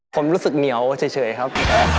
ผมรู้สึกเหนียวเฉยครับ